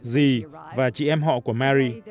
dì và chị em họ của mary